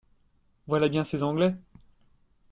Voilà bien ces Anglais!